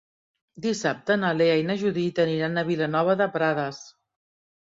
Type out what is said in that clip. Dissabte na Lea i na Judit aniran a Vilanova de Prades.